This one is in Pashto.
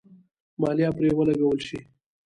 مالیه پرې ولګول شي.